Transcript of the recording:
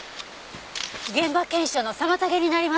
現場検証の妨げになります。